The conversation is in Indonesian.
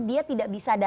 dia tidak bisa